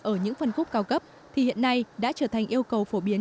ở những phân khúc cao cấp thì hiện nay đã trở thành yêu cầu phổ biến